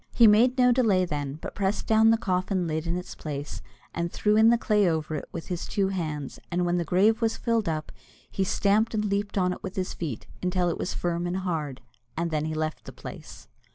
He made no delay then, but pressed down the coffin lid in its place, and threw in the clay over it with his two hands; and when the grave was filled up, he stamped and leaped on it with his feet, until it was firm and hard, and then he left the place.